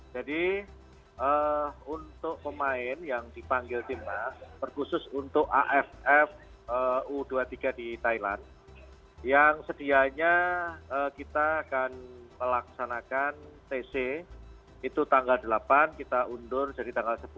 jadi untuk pemain yang dipanggil timnas berkhusus untuk aff u dua puluh tiga di thailand yang sedianya kita akan melaksanakan tc itu tanggal delapan kita undur jadi tanggal sepuluh